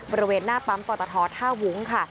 บริเวณหน้าปั๊มปลอตทอด๕หุ้ง